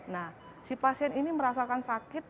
nah si pasien ini merasakan sakit